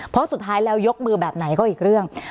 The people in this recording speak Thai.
เพราะสุดท้ายแล้วยกมือแบบไหนก็อีกเรื่อง